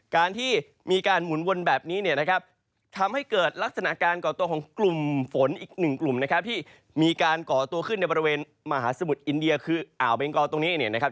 การที่มีการหมุนวนแบบนี้เนี่ยนะครับทำให้เกิดลักษณะการก่อตัวของกลุ่มฝนอีกหนึ่งกลุ่มนะครับที่มีการก่อตัวขึ้นในบริเวณมหาสมุทรอินเดียคืออ่าวเบงกอตรงนี้เนี่ยนะครับ